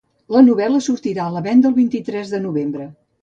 La novel·la sortirà a la venda el vint-i-tres de novembre.